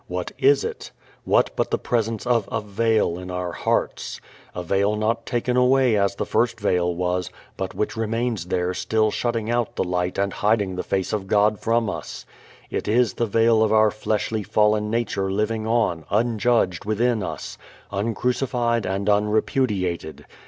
What is it? What but the presence of a veil in our hearts? a veil not taken away as the first veil was, but which remains there still shutting out the light and hiding the face of God from us. It is the veil of our fleshly fallen nature living on, unjudged within us, uncrucified and unrepudiated.